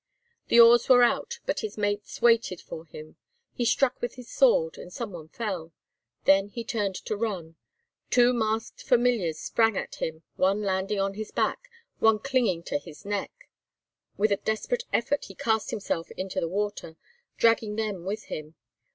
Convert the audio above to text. The oars were out, but his mates waited for him. He struck with his sword, and some one fell. Then he turned to run. Two masked familiars sprang at him, one landing on his back, one clinging to his neck. With a desperate effort he cast himself into the water, dragging them with him.